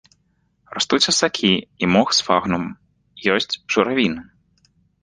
Растуць асакі і мох сфагнум, ёсць журавіны.